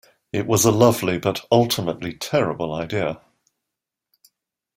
It was a lovely but ultimately terrible idea.